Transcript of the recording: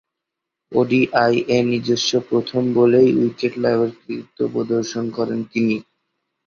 ওডিআইয়ে নিজস্ব প্রথম বলেই উইকেট লাভের কৃতিত্ব প্রদর্শন করেন তিনি।